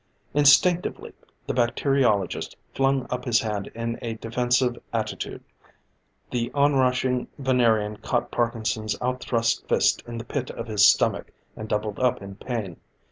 Instinctively the bacteriologist flung up his hand in a defensive attitude. The onrushing Venerian caught Parkinson's out thrust fist in the pit of his stomach, and doubled up in pain.